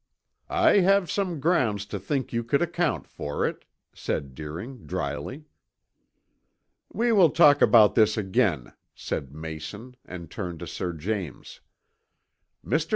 "I have some grounds to think you could account for it," said Deering dryly. "We will talk about this again," said Mayson and turned to Sir James. "Mr.